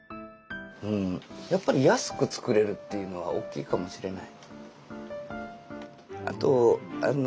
うんやっぱり安く作れるっていうのは大きいかもしれない。